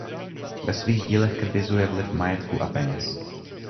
Ve svých dílech kritizuje vliv majetku a peněz.